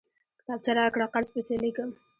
کتابچه راکړه، قرض پسې ليکم!